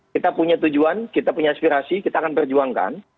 kita punya tujuan kita punya aspirasi kita akan perjuangkan